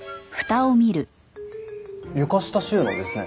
床下収納ですね。